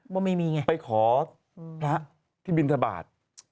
ว่าไม่มีไงไปขอพระที่บินทบาท